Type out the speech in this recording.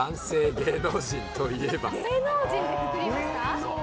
芸能人でくくりました？